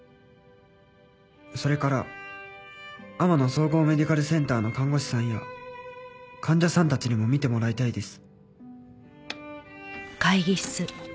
「それから天乃総合メディカルセンターの看護師さんや患者さんたちにも観てもらいたいです」